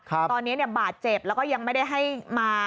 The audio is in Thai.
ตอนนี้บาดเจ็บแล้วก็ยังไม่ได้ให้มา